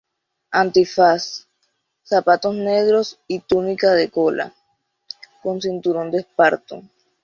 Antifaz, zapatos negros y túnica de cola, con cinturón de esparto.